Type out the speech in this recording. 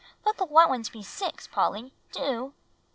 Let the white ones be six, Polly, do!"